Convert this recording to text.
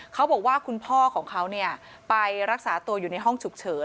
เขาบอกว่าคุณพ่อของเขาไปรักษาตัวอยู่ในห้องฉุกเฉิน